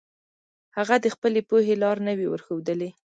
هغه د خپلې پوهې لار نه وي ورښودلي.